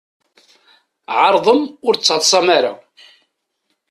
Ɛeṛḍem ur d-ttaḍsam ara.